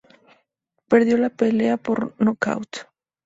Perdió la pelea por nocaut.